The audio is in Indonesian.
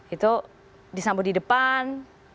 itu disambut di depan